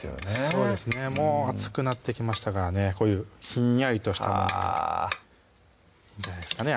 そうですねもう暑くなってきましたからねこういうひんやりとしたものもいいんじゃないですかね